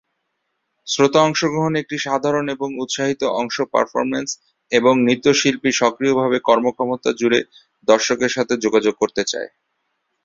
শ্রোতা অংশগ্রহণ একটি সাধারণ এবং উৎসাহিত অংশ পারফরম্যান্স, এবং নৃত্যশিল্পী সক্রিয়ভাবে কর্মক্ষমতা জুড়ে দর্শকদের সাথে যোগাযোগ করতে চায়।